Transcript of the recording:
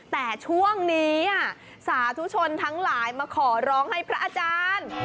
แต่ช่วงนี้สาธุชนทั้งหลายมาขอร้องให้พระอาจารย์